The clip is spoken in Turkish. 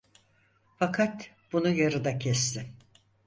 Fakat bunu yarıda kesti.